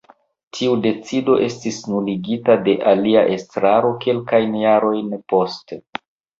Tiu decido estis nuligita de alia estraro kelkajn jarojn poste.